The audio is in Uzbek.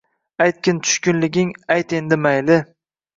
Aytgin tushkunliging, ayt endi, mayli.